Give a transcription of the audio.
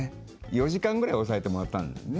４時間ぐらい押さえてもらったんだよね。